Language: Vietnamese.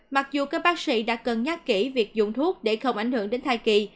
mặc dù các bác sĩ đã cân nhắc kỹ việc dùng thuốc để không ảnh hưởng đến thai kỳ